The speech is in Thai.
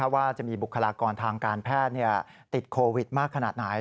ว่าจะมีบุคลากรทางการแพทย์ติดโควิดมากขนาดไหน